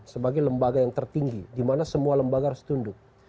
sebagai lembaga yang tertinggi di mana semua lembaga harus tunduk